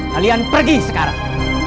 kalian pergi sekarang